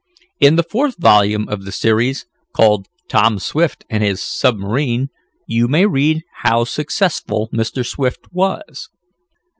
In the fourth volume of the series, called "Tom Swift and his Submarine," you may read how successful Mr. Swift was.